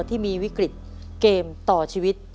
ที่มีวิกฤตเกมต่อชีวิต